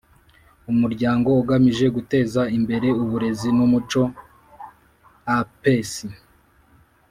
Umuryango Ugamije Guteza Imbere Uburezi n Umuco A P E C